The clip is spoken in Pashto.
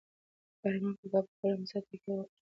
ارمان کاکا په خپله امسا تکیه وکړه او په ارامه ولاړ شو.